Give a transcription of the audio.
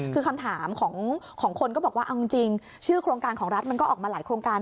คือคำถามของคนก็บอกว่าเอาจริงชื่อโครงการของรัฐมันก็ออกมาหลายโครงการ